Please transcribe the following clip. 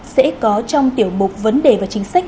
sẽ có trong tiểu mục vấn đề và chính sách